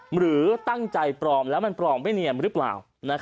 หรือตั้งใจปลอมแล้วมันปลอมไม่เนียมหรือเปล่า